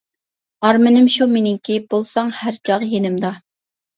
ئارمىنىم شۇ مېنىڭكى، بولساڭ ھەر چاغ يېنىمدا.